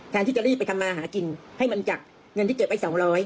ที่จะรีบไปทำมาหากินให้มันจากเงินที่เก็บไว้๒๐๐